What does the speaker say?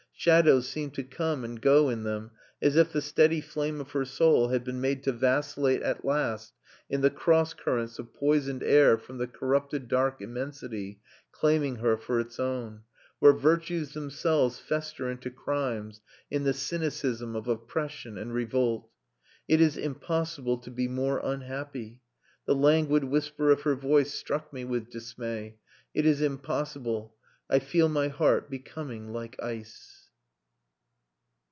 Shadows seemed to come and go in them as if the steady flame of her soul had been made to vacillate at last in the cross currents of poisoned air from the corrupted dark immensity claiming her for its own, where virtues themselves fester into crimes in the cynicism of oppression and revolt. "It is impossible to be more unhappy...." The languid whisper of her voice struck me with dismay. "It is impossible.... I feel my heart becoming like ice."